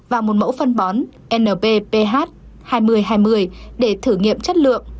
và một mẫu phân bón np ph hai nghìn hai mươi để thử nghiệm chất lượng